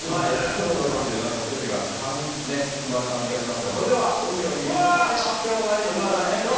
今日の料理で全てが決まる感じがしますがそれでは、運命を握る食材の発表参りましょう。